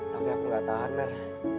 tapi aku nggak tahan mer